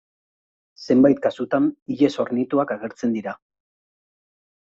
Zenbait kasutan ilez hornituak agertzen dira.